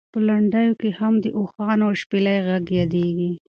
په لنډیو کې هم د اوښانو او شپېلۍ غږ یادېږي.